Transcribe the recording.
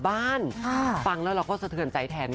ไม่อภัยในทุกอย่าง